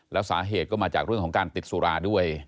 แล้วสาเหตุก็มาจากเรื่องของการติดสุราด้วย